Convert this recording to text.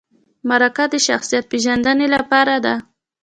مرکه د شخصیت پیژندنې لپاره ده